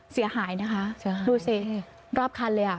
เสียหายนะคะดูสิรอบคันเลยอ่ะ